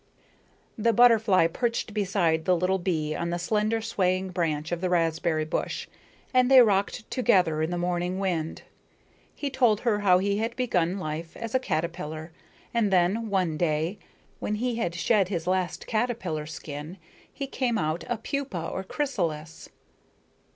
The butterfly perched beside the little bee on the slender swaying branch of the raspberry bush, and they rocked together in the morning wind. He told her how he had begun life as a caterpillar and then, one day, when he had shed his last caterpillar skin, he came out a pupa or chrysalis.